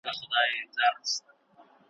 ځم د جنون په زولنو کي به لیلا ووینم ,